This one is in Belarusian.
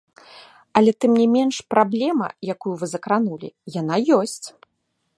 Але тым не менш, праблема, якую вы закранулі, яна ёсць.